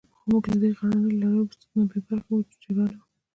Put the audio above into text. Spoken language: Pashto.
خو موږ له دې غرنیو لړیو نه بې برخې وو، چې جګړه نه وه.